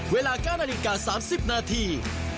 เวลา๙นาฬิกา๓๐นาที